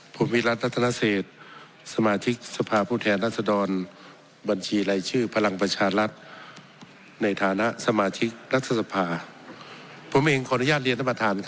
ผมเองขออนุญาตเรียนท่านประธาน